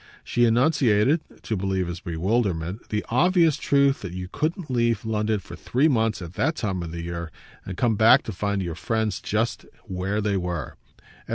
She enunciated, to relieve his bewilderment, the obvious truth that you couldn't leave London for three months at that time of the year and come back to find your friends just where they were.